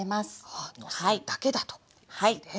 はあのせるだけだということです。